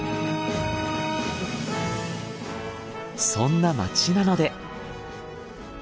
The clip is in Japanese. そんな街なので。